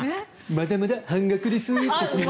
まだまだ半額ですっていうね。